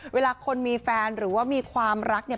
เวลาคนมีแฟนหรือว่ามีความรักเนี่ย